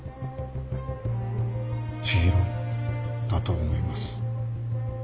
千尋だと思います。